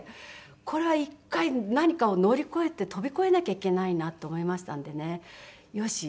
これは一回何かを乗り越えて飛び越えなきゃいけないなと思いましたんでねよし